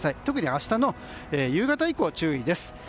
特に明日の夕方以降、注意です。